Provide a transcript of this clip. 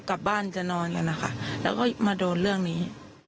กลับบ้านจะนอนกันนะคะแล้วก็มาโดนเรื่องนี้